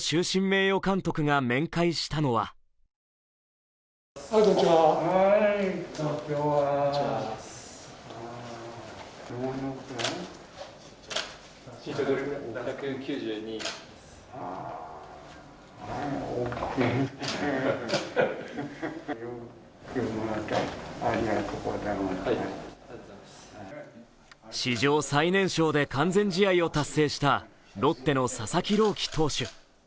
名誉監督が面会したのは史上最年少で完全試合を達成したロッテの佐々木朗希投手。